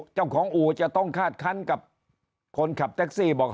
เจ้าของอู่จะต้องคาดคันกับคนขับแท็กซี่บอก